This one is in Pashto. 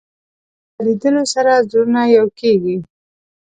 په لیدلو سره زړونه یو کېږي